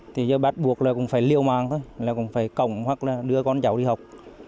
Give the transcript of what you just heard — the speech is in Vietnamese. thì bắt buộc là cũng phải liêu màng thôi là cũng phải cổng hoặc là đưa con cháu đi học